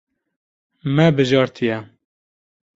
Me bijartiye.